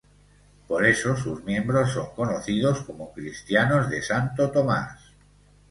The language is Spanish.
Por eso sus miembros son conocidos como cristianos de Santo Tomás.